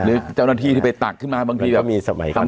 หรือเจ้าหน้าที่ที่ไปตักขึ้นมาบางทีแบบมันก็มีสมัยของนั้น